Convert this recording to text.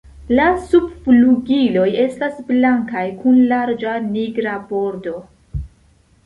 La subflugiloj estas blankaj kun larĝa nigra bordo.